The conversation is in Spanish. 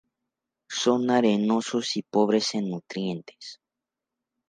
Son arenosos y pobres en nutrientes.